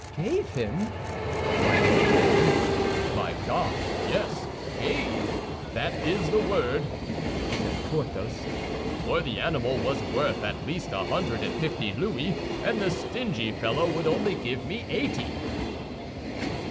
"Gave him?" cried D'Artagnan. "My God, yes, gave, that is the word," said Porthos; "for the animal was worth at least a hundred and fifty louis, and the stingy fellow would only give me eighty."